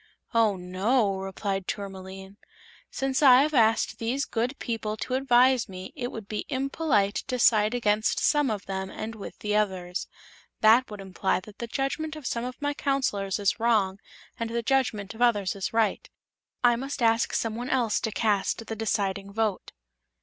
"Oh, no," replied Tourmaline. "Since I have asked these good people to advise me it would be impolite to side against some of them and with the others. That would imply that the judgment of some of my Counselors is wrong, and the judgment of others right. I must ask some one else to cast the deciding vote."